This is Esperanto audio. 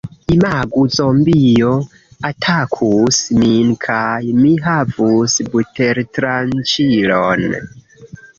Imagu... zombio atakus min kaj mi havus butertranĉilon